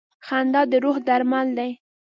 • خندا د روح درمل دی.